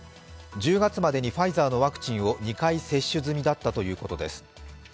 １０月までにファイザーのワクチンを２回接種済みだったということです。